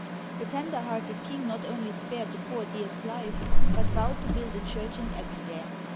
The tender hearted king not only spared the poor deer's life, but vowed to build a church and abbey there.